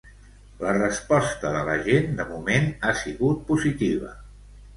La resposta de la gent, de moment, ha sigut positiva.